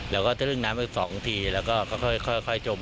แล้วก็เตริ่งน้ำอีกสองทีแล้วก็ค่อยค่อยค่อยจม